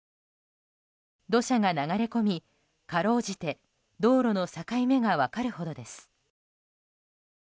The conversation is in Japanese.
土砂が流れ込み、かろうじて道路の境目が分かるほどです。